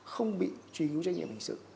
không bị truy nhu trách nhiệm hình sự